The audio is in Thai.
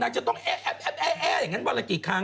นางจะต้องแอ๊ะแอ๊ะแอ๊ะแอ๊ะแอ๊ะอย่างนั้นวันละกี่ครั้ง